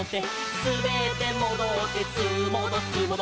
「すべってもどってすーもどすーもど」